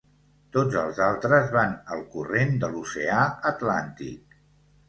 Tots els altres van al corrent de l'oceà Atlàntic.